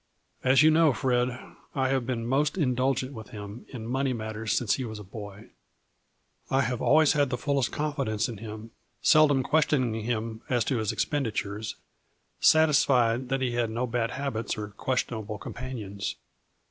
As you know, Fred, I have been most indulgent with him in money matters since he was a boy. I have always had the fullest confidence in him, seldom question ing him as to his expenditures, satisfied that he had no bad habits or questionable companions.